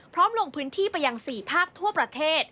ลงพื้นที่ไปยัง๔ภาคทั่วประเทศ